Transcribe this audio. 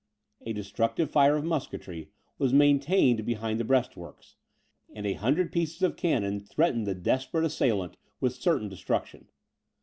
A destructive fire of musketry was maintained behind the breastworks, and a hundred pieces of cannon threatened the desperate assailant with certain destruction.